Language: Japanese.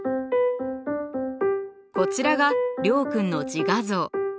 こちらが諒君の自画像。